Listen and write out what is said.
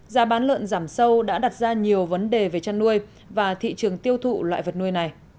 giá bán lợn giảm sâu đã đặt ra nhiều vấn đề về chăn nuôi và thị trường tiêu thụ loại vật nuôi này